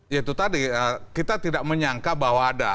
yaitu tadi kita tidak menyangka bahwa ada